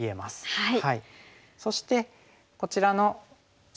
はい。